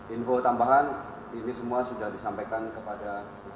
info tambahan ini semua sudah disampaikan kepada